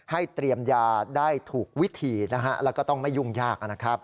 เตรียมยาได้ถูกวิธีแล้วก็ต้องไม่ยุ่งยากนะครับ